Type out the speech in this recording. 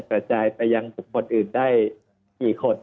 กระจายไปยังบุคคลอื่นได้กี่คน